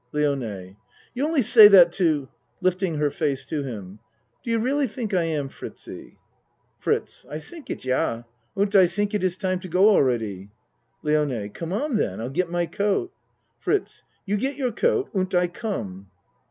LIONE You only say that to (Lifting her face to him.) Do you really think I am, Fritzie? FRITZ I tink it, yah. Und I tink it iss time to go already. LIONE Come on then I'll get my coat. FRITZ You get your coat und I come.